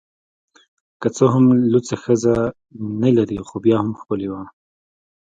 که څه هم لوڅه ښځه نلري خو بیا هم ښکلې ده